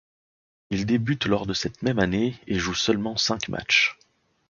Il débute lors de cette même année et joue seulement cinq matchs.